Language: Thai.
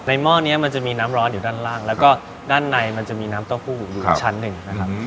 หม้อนี้มันจะมีน้ำร้อนอยู่ด้านล่างแล้วก็ด้านในมันจะมีน้ำเต้าหู้อยู่ชั้นหนึ่งนะครับ